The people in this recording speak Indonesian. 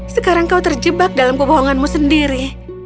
sekarang kau terjebak dalam kebohonganmu sendiri